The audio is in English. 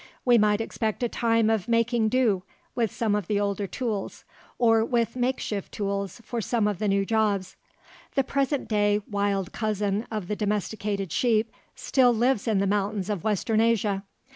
We might expect a time of making do with some of the older tools, or with make shift tools, for some of the new jobs. The present day wild cousin of the domesticated sheep still lives in the mountains of western Asia.